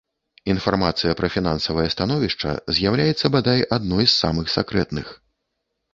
Інфармацыя пра фінансавае становішча з'яўляецца, бадай, адной з самых сакрэтных.